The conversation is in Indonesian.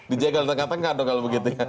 dijagal di tengah tengah kalau begitu